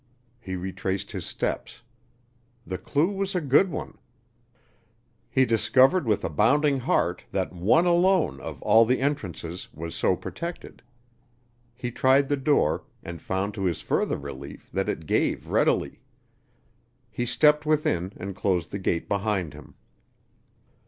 He retraced his steps. The clue was a good one; he discovered with a bounding heart that one alone of all the entrances was so protected. He tried the door, and found to his further relief that it gave readily. He stepped within and closed the gate behind him.